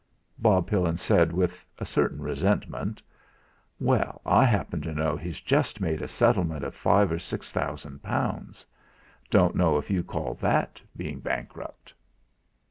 Bob Pillin said, with a certain resentment: "Well, I happen to know he's just made a settlement of five or six thousand pounds. Don't know if you call that being bankrupt."